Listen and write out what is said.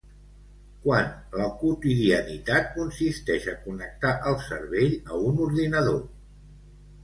Quan la quotidianitat consisteix a connectar el cervell a un ordinador.